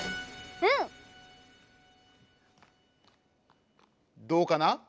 うん！どうかな？